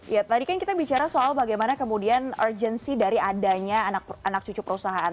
ya tadi kan kita bicara soal bagaimana kemudian urgency dari adanya anak cucu perusahaan